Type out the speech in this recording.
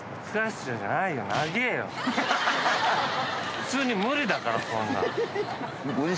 普通に無理だからこんなん。